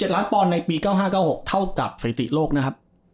ล้านปอนด์ในปี๙๕๙๖เท่ากับสถิติโลกนะครับ